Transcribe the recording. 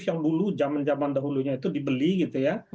yang dulu zaman zaman dahulunya itu dibeli gitu ya